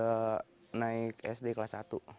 saya naik sd kelas satu